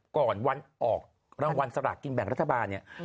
ก่อนวันออกรางวัลสลากกินแบ่งรัฐบาลเนี่ย